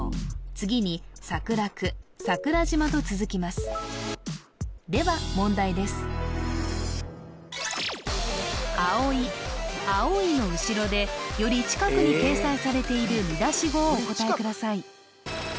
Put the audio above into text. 次に「さくらく」「さくらじま」と続きますでは問題です「葵」「青い」の後ろでより近くに掲載されている見出し語をお答えください